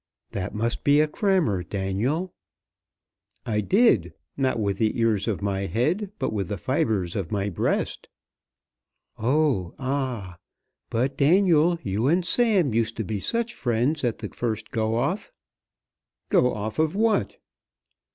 "That must be a crammer, Daniel." "I did; not with the ears of my head, but with the fibres of my breast." "Oh; ah. But, Daniel, you and Sam used to be such friends at the first go off." "Go off of what?"